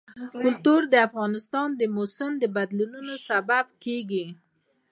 کلتور د افغانستان د موسم د بدلون سبب کېږي.